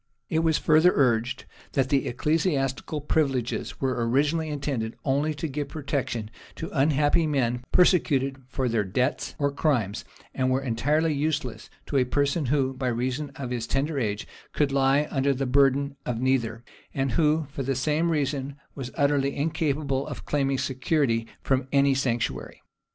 It was further urged, that ecclesiastical privileges were originally intended only to give protection to unhappy men persecuted for their debts or crimes; and were entirely useless to a person who, by reason of his tender age, could lie under the burden of neither, and who, for the same reason, was utterly incapable of claiming security from any sanctuary.